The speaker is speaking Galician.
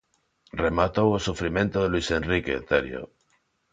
Rematou o sufrimento de Luís Enrique, Terio.